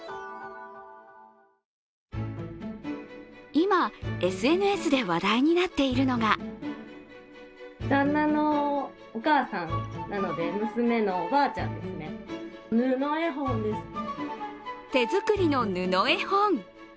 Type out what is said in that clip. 今、ＳＮＳで話題になっているのが手作りの布絵本。